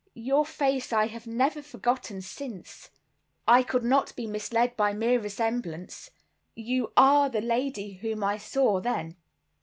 Your face I have never forgotten since. I could not be misled by mere resemblance. You are the lady whom I saw then."